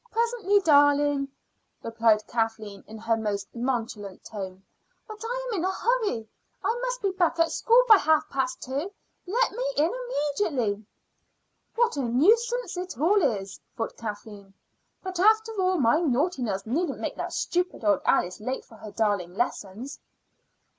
"Presently, darling," replied Kathleen in her most nonchalant tone. "But I am in a hurry. I must be back at school by half past two. Let me in immediately." "What a nuisance it all is!" thought Kathleen. "But, after all, my naughtiness needn't make that stupid old Alice late for her darling lessons."